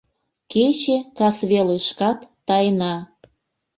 — Кече касвелышкат тайна.